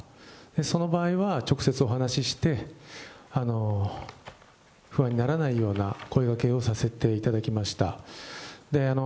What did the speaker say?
その場合は、直接お話しして、不安にならないような声がけをさせていただきました。